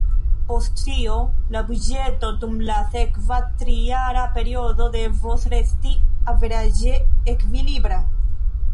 Post tio la buĝeto dum la sekva trijara periodo devos resti averaĝe ekvilibra.